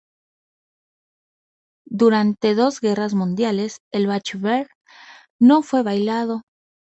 Durante las dos guerras mundiales, el Bacchu-Ber no fue bailado.